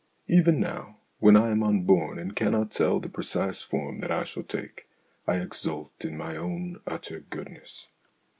Even now when I am unborn and cannot tell the precise form that I shall take I exult in my own utter goodness.